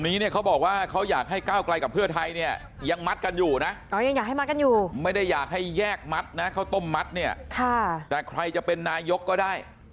นี่แต่ว่ากลุ่มนี้เนี่ยเขาบอกว่า